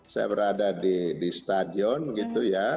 saya berada di stadion gitu ya